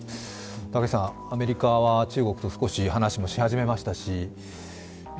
アメリカは中国と少し話もし始めましたし。